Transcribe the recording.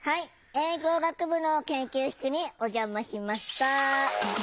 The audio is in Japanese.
映像学部の研究室にお邪魔しました。